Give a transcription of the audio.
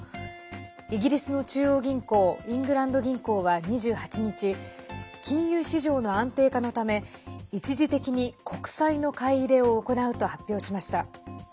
イギリスの中央銀行イングランド銀行は２８日金融市場の安定化のため一時的に国債の買い入れを行うと発表しました。